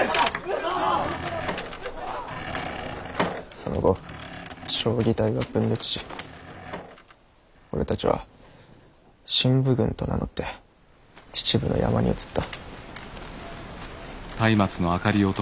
その後彰義隊は分裂し俺たちは振武軍と名乗って秩父の山に移った。